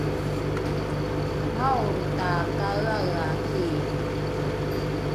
maolro takaeaea kii’i